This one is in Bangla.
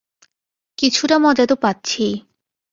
কিছুটা মজা তো পাচ্ছিই!